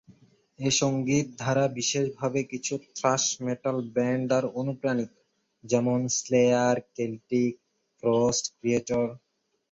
এ সঙ্গীত ধারা বিশেষভাবে কিছু থ্রাশ মেটাল ব্যান্ড দ্বারা অনুপ্রানিত, যেমন স্লেয়ার, কেল্টিক ফ্রস্ট, ক্রিয়েটর।